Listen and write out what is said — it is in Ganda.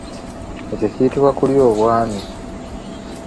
Ekyo kiyitibwa okulya obwami.